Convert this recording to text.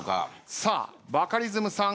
さあバカリズムさん